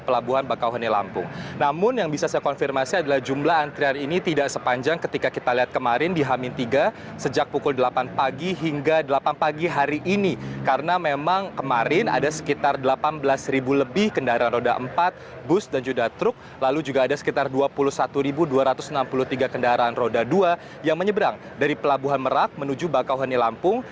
lalu juga ada sekitar dua puluh satu dua ratus enam puluh tiga kendaraan roda dua yang menyeberang dari pelabuhan merak menuju bakohoni lampung